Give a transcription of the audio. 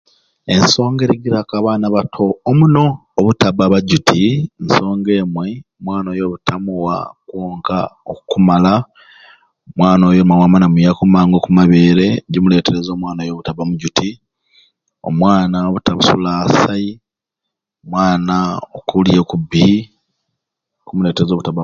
Ensonga erigiraku abaana abato omunoo obutaba abajuuti nsonga emwei omwana oyo butamuwa kwonka okumala, omwana oyo omawamwei namuyaku amangu okumabeere kimuletereeza omwana oyo obutaba mujuuti, omwana obutasula asai, omwana okulya okubbi, kumuletereeza obutaba